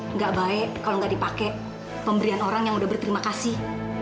nggak baik kalau nggak dipakai pemberian orang yang udah berterima kasih